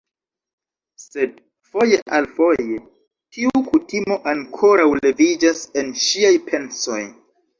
Sed, foje al foje, tiu kutimo ankoraŭ leviĝas en ŝiaj pensoj